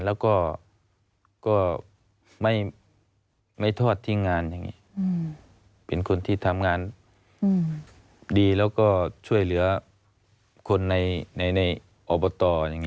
แล้วก็ไม่ทอดทิ้งงานอย่างนี้เป็นคนที่ทำงานดีแล้วก็ช่วยเหลือคนในอบต